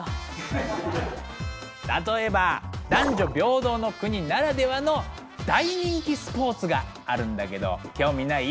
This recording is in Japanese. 例えば男女平等の国ならではの大人気スポーツがあるんだけど興味ない？